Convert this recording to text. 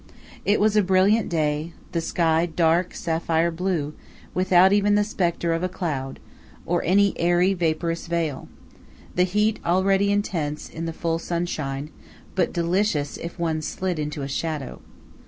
It was a brilliant day, the sky dark sapphire blue, without even the spectre of a cloud, or any airy, vaporous veil; the heat already intense in the full sunshine, but delicious if one slid into a shadow.